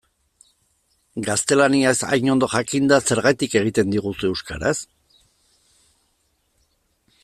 Gaztelaniaz hain ondo jakinda, zergatik egiten diguzu euskaraz?